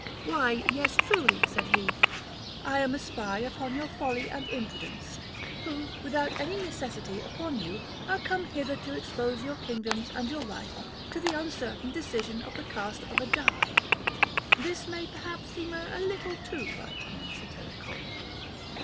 Why, yes truly, said he, I am a spy upon your folly and imprudence, who without any necessity upon you are come hither to expose your kingdoms and your life to the uncertain decision of the cast of a die. This may perhaps seem a little too biting and satirical.